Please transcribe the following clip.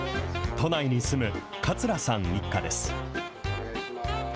都内に住む桂さん一家です。